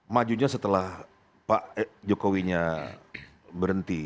majunya setelah pak jokowinya berhenti